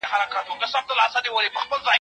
خدای درکړی لوړ قامت او تنه پلنه